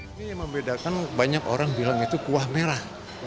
ini yang membedakan banyak orang bilang itu kuah merah